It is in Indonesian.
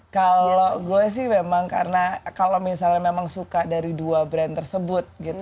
kalau gue sih memang karena kalau misalnya memang suka dari dua brand tersebut gitu